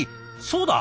「そうだ！